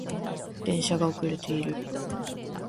電車が遅れている